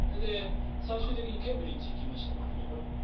最終的にケンブリッジに行きましたけど。